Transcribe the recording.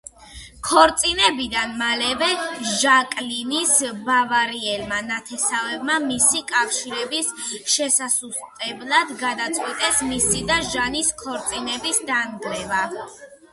ქორწინებიდან მალევე, ჟაკლინის ბავარიელმა ნათესავებმა, მისი კავშირების შესასუსტებლად გადაწყვიტეს მისი და ჟანის ქორწინების დანგრევა.